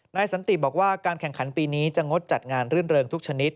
สันติบอกว่าการแข่งขันปีนี้จะงดจัดงานรื่นเริงทุกชนิด